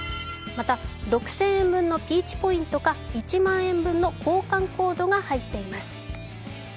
また、６０００円分のピーチポイントか１万円分の交換コードが入っています。